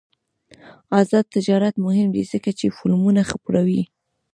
آزاد تجارت مهم دی ځکه چې فلمونه خپروي.